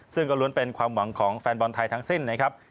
ซึ่งก็ล้วนเป็นความหวังของแฟนบอลไทยทั้งสิ้นนะครับ